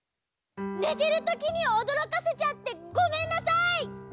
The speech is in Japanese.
ねてるときにおどろかせちゃってごめんなさい！